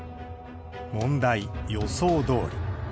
問題、予想どおり。